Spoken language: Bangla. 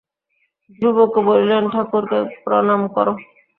ধ্রুবকে বলিলেন, ঠাকুরকে প্রণাম করো।